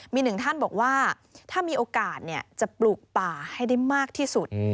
มีหนึ่งท่านบอกว่าถ้ามีโอกาสจะปลูกป่าให้ได้มากที่สุด